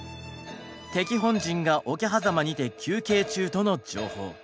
「敵本陣が桶狭間にて休憩中」との情報。